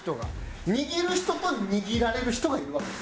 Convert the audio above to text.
握る人と握られる人がいるわけ。